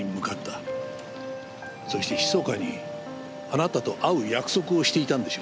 そしてひそかにあなたと会う約束をしていたんでしょう。